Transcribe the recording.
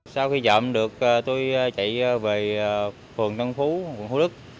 sau khi chậm được tôi chạy về phường tân phú phường hồ đức